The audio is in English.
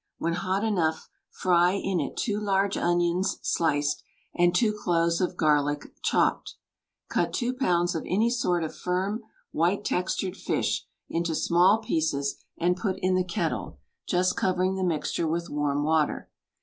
When hot enough fry in it two large onions, sliced, and two cloves of garlic chopped. Cut two pounds of any sort of firm white textured fish into small pieces and put in the kettle, just covering the mixture with warm water.